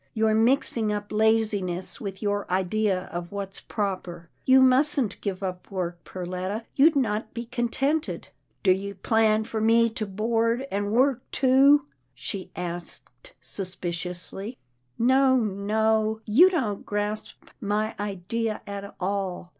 You're mixing up laziness with your idea of what's proper. You mustn't give up work, Perletta, you'd not be contented." " Do you plan for me to board and work, too? " she asked suspiciously. " No, no, you don't grasp my idea at all.